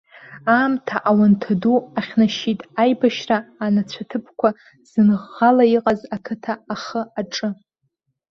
Аамҭа ауанҭа ду ахьнашьит, аибашьра анацәа ҭыԥқәа зынӷӷала иҟаз ақыҭа ахы-аҿы.